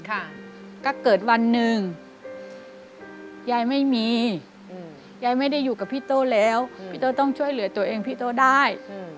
ถ้าเกิดวันหนึ่งยายไม่มียายไม่ได้อยู่กับพี่โต้แล้วพี่โต้ต้องช่วยเหลือตัวเองพี่โต้ได้